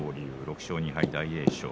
６勝２敗豊昇龍、大栄翔